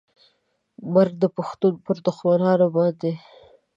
مرګ د پښتون پر دښمنانو باندې